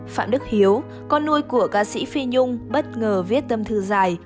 phạm đức hiếu con nuôi của ca sĩ phi nhung bất ngờ viết tâm thư dài